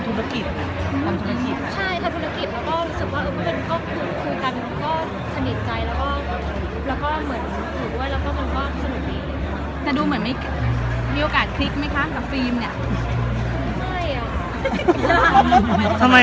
ชอบอะไรหรือว่าไม่ชอบอะไร